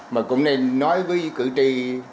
mà cũng nên nói với cử tri